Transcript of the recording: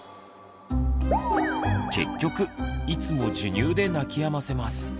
結局いつも授乳で泣きやませます。